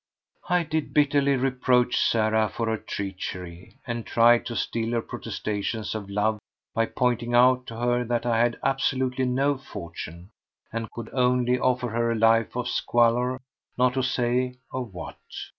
I did bitterly reproach Sarah for her treachery and tried to still her protestations of love by pointing out to her that I had absolutely no fortune, and could only offer her a life of squalor, not to say of what.